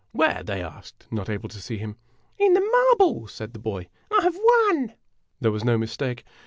"Where? " they asked, not able to see him. "In the marble," said the boy. " I Ve won !' There was no mistake.